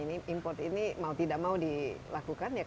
ini import ini mau tidak mau dilakukan